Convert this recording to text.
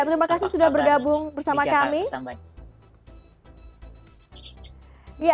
terima kasih sudah bergabung bersama kami